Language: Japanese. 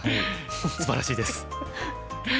すばらしいです。